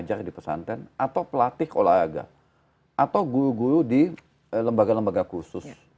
diajak di pesantren atau pelatih olahraga atau guru guru di lembaga lembaga khusus